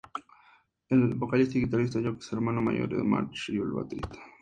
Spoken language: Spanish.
El vocalista y guitarrista, Joke, es hermano mayor de March, el baterista.